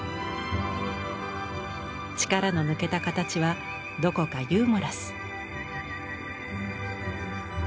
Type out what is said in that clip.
力の抜けた形はどこかユーモラス。